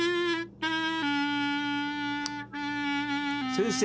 先生！